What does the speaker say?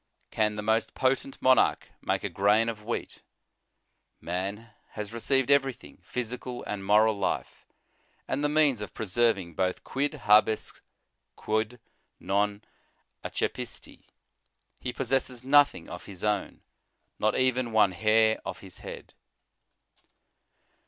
Can the most potent monarch make a grain of wheat? Man has received everything, physical and moral life, and the means of preserving both, quid hades quod non accepi^tif He possesses nothing of his own, not even one hair of his head.